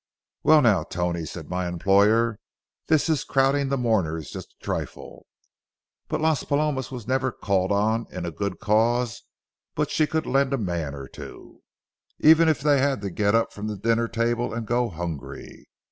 "Well, now, Tony," said my employer, "this is crowding the mourners just a trifle, but Las Palomas was never called on in a good cause but she could lend a man or two, even if they had to get up from the dinner table and go hungry.